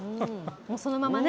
そのままね。